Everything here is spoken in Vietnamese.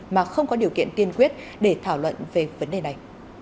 mà không có điều kiện tiên quyết để thảo luận về vấn đề này